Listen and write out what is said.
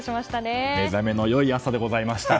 寝覚めの良い朝でございました。